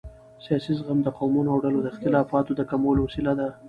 سیاسي زغم د قومونو او ډلو د اختلافاتو د کمولو وسیله ده